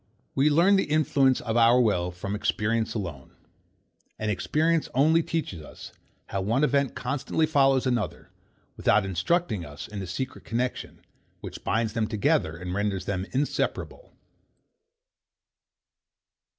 We learn the influence of our will from experience alone. And experience only teaches us, how one event constantly follows another; without instructing us in the secret connexion, which binds them together, and renders them inseparable.